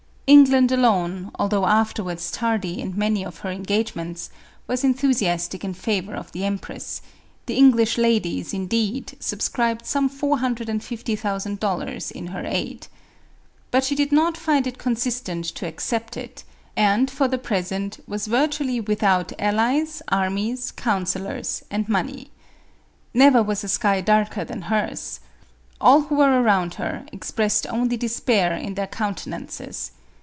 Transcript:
England alone, although afterwards tardy in many of her engagqinents, was enthusiastic in favor of the empress; the English ladies, indeed, subscribed some four hundred and fifty thousand dollars in her aid. But she did not find it consistent to accept it, aud, for the present, was virtually without allies, armies, coun sellors, and money. Never was a sky darker than hers. All who were around her, expressed only de spair in their countenances.